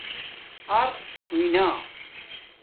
اَر ہوئنا